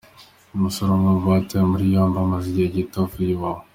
Umusore umwe mu batawe muri yombi amaze igihe gito avuye Iwawa.